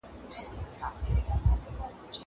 زه اجازه لرم چي ښوونځی ته ولاړ سم.